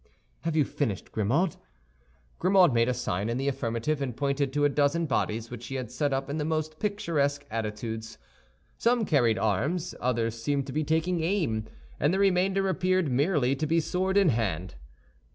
have you finished, Grimaud?" Grimaud made a sign in the affirmative, and pointed to a dozen bodies which he had set up in the most picturesque attitudes. Some carried arms, others seemed to be taking aim, and the remainder appeared merely to be sword in hand.